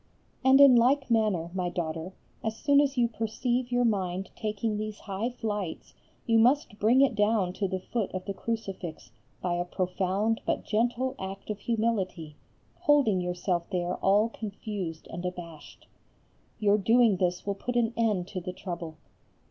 And in like manner, my daughter, as soon as you perceive your mind taking these high flights you must bring it down to the foot of the crucifix by a profound but gentle act of humility, holding yourself there all confused and abashed. Your doing this will put an end to the trouble.